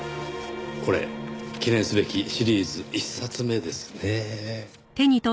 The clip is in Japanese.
これ記念すべきシリーズ１冊目ですね。